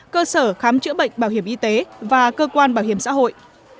cơ sở khám chữa bệnh bảo hiểm y tế và cơ quan bảo hiểm xã hội